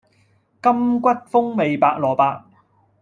柑橘風味白蘿蔔